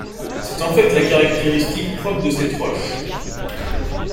C'est en fait la caractéristique propre de cette roche.